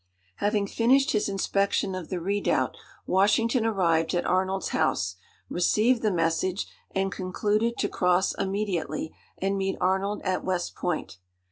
Having finished his inspection of the redoubt, Washington arrived at Arnold's house, received the message, and concluded to cross immediately and meet Arnold at West Point.